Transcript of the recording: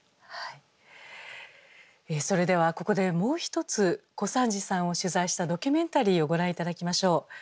それではここでもう一つ小三治さんを取材したドキュメンタリーをご覧頂きましょう。